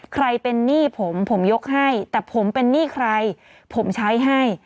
ใครเป็นหนี้ผมผมยกให้แต่ผมเป็นหนี้ใครผมใช้ให้